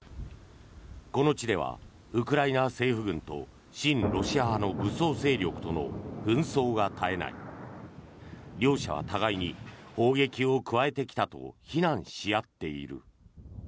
この地ではウクライナ政府軍と親ロシア派の武装勢力との紛争が絶えない。両者は互いに砲撃を加えてきたと非難し合っている。